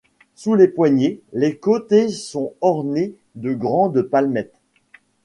Sous les poignées, les côtés sont ornés de grandes palmettes.